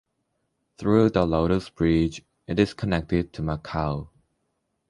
Through the Lotus Bridge it is connected to Macau.